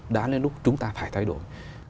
đã đến lúc chúng ta phải thay đổi